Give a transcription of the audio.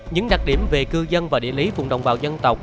những đặc điểm về cư dân và địa lý vùng đồng bào dân tộc